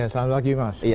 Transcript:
selamat pagi mas